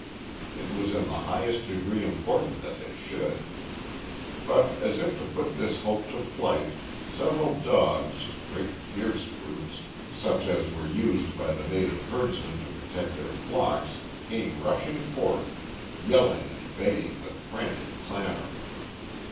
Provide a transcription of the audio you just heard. It was in the highest degree important that they should. But as if to put this hope to flight, several dogs, great fierce brutes, such as were used by the native herdsmen to protect their flocks, came rushing forth, yelling and baying with frantic clamour.